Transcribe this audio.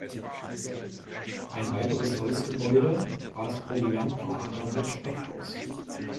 Ein weiteres Holzgebäude war das Proviantlager mit Speckhaus.